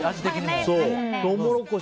そう、トウモロコシ。